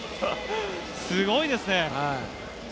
すごいですね。